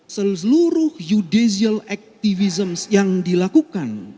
seluruh judicial activisms yang dilakukan